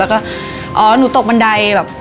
แล้วก็อ๋อนูตดปันดาย